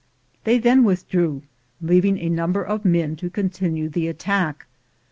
They then withdrew, leaving a number of men to continue the attack.